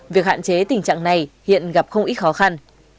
việc hạn chế tình trạng này hiện gặp không ít khó khăn